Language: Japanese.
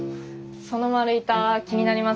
その丸板気になります？